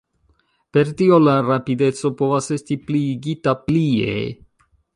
Per tio la rapideco povas esti pliigita plie.